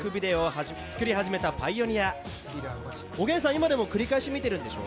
今でも繰り返し見てるんでしょ？